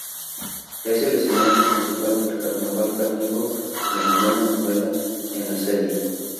Es el escenario principal de "El carnaval carnívoro", la novena novela en la serie.